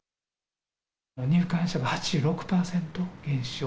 入館者が８６％減少。